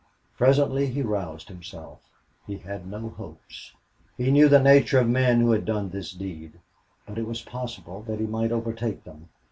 Presently he roused himself. He had no hopes. He knew the nature of men who had done this deed. But it was possible that he might overtake them.